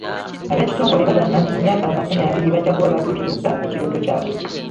Ab'ekitongole baagamba nti mu myaka amakumi abiri bajja kuba batuukirizza ekirooto kyabwe.